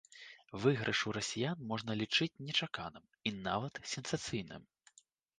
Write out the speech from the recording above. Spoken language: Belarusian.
Выйгрыш у расіян можна лічыць нечаканым і нават сенсацыйным.